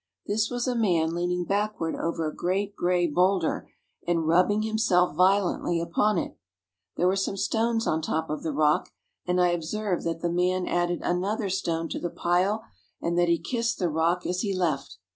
This was a man leaning backward over a great gray boulder and rubbing himself violently upon it. There were some stones on top of the rock and I ob served that the man added another stone to the pile and that he kissed the rock as he left.